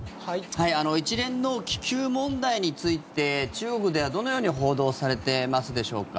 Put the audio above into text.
一連の気球問題について中国ではどのように報道されてますでしょうか？